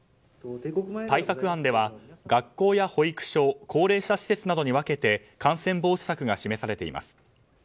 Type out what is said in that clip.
対策案では、学校や保育所高齢者施設などに分けて感染防止策が示されています。